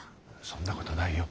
そんなことないよ。